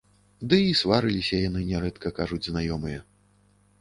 Ды і сварыліся яны нярэдка, кажуць знаёмыя.